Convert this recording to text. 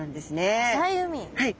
はい。